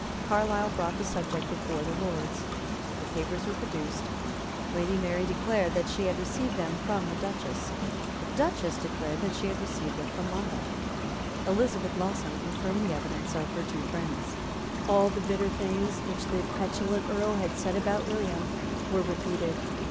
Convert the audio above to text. Carlisle brought the subject before the Lords. The papers were produced. Lady Mary declared that she had received them from the Duchess. The Duchess declared that she had received them from Monmouth. Elizabeth Lawson confirmed the evidence of her two friends. All the bitter things which the petulant Earl had said about William were repeated.